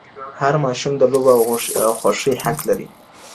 هر ماشوم د لوبو او خوښۍ حق لري.